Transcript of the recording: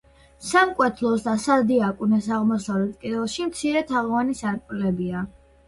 სამკვეთლოს და სადიაკვნეს აღმოსავლეთ კედელში მცირე თაღოვანი სარკმლებია.